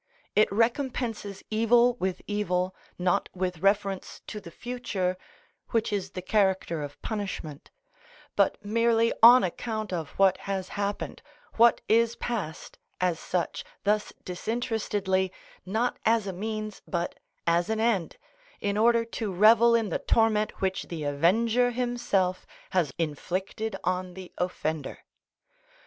It recompenses evil with evil, not with reference to the future, which is the character of punishment, but merely on account of what has happened, what is past, as such, thus disinterestedly, not as a means, but as an end, in order to revel in the torment which the avenger himself has inflicted on the offender.